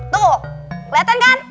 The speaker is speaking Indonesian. tuh keliatan kan